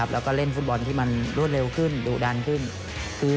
แล้วก็เล่นฟุตบอลที่มันรวดเร็วขึ้นดุดันขึ้น